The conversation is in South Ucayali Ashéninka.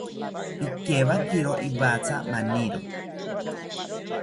Pikewakiro iwatha maniro